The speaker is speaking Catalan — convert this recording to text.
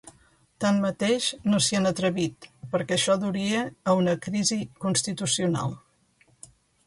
Tanmateix, no s’hi han atrevit perquè això duria a ‘una crisi constitucional’.